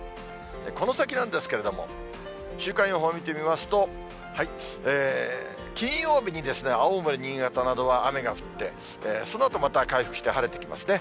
この先なんですけれども、週間予報見てみますと、金曜日に青森、新潟などは雨が降って、そのあとまた回復して晴れてきますね。